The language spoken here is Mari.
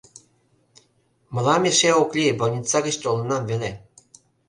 — Мылам эше ок лий, больница гыч толынам веле.